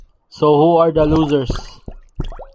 So who are the losers?